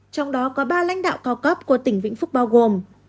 trong đó có ba lãnh đạo cao cấp của tỉnh vĩnh phúc bao gồm